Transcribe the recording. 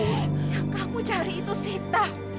yang aku cari itu sita